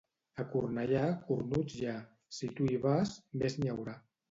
A Cornellà, cornuts hi ha; si tu hi vas, més n'hi haurà.